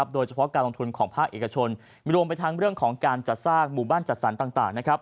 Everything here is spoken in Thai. โดยเฉพาะการลงทุนของภาคเอกชนรวมไปทั้งเรื่องของการจัดสร้างหมู่บ้านจัดสรรต่าง